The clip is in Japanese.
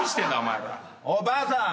おうばあさん